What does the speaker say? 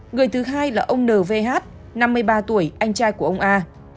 người thứ hai là ông n v h năm mươi ba tuổi anh trai của ông a